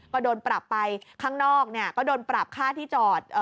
ก็โดนปรับไปข้างนอกเนี่ยก็โดนปรับค่าที่จอด